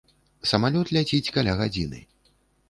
Самалёт ляціць каля гадзіны.